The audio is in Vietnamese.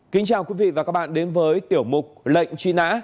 kính chào quý vị và các bạn đến với tiểu mục lệnh truy nã